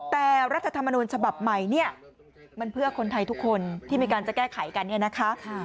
แต่รัฐธรรมนูญฉบับใหม่เนี่ยมันเพื่อคนไทยทุกคนที่มีการจะแก้ไขกันเนี่ยนะคะ